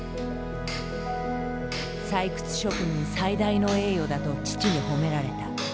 採掘職人最大の栄誉だと父に褒められた。